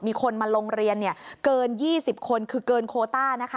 มีคนมาโรงเรียนเกิน๒๐คนคือเกินโคต้านะคะ